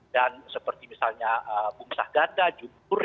dan seperti misalnya bungsah ganda jukur